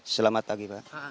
selamat pagi pak